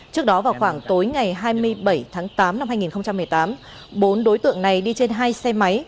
trước đó vào khoảng tối ngày hai mươi bảy tháng tám năm hai nghìn một mươi tám bốn đối tượng này đi trên hai xe máy